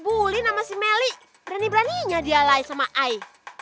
bully nama si meli berani beraninya dialahi sama ai